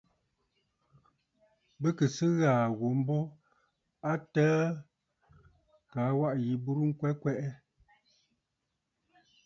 Bɨ kɨ̀ sɨ ghàà ghu mbo a təə kaa waʼà yi burə ŋkwɛ kwɛʼɛ.